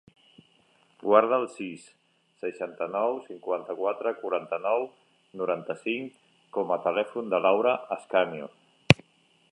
Guarda el sis, seixanta-nou, cinquanta-quatre, quaranta-nou, noranta-cinc com a telèfon de l'Aura Ascanio.